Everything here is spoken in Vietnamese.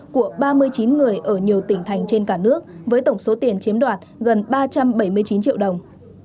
của ba mươi chín người ở nhiều tỉnh thành trên cả nước với tổng số tiền chiếm đoạt gần ba trăm bảy mươi chín triệu đồng